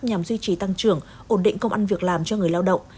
nhằm duy trì tăng trưởng ổn định công ăn việc làm cho người lao động